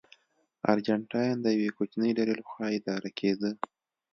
ارجنټاین د یوې کوچنۍ ډلې لخوا اداره کېده.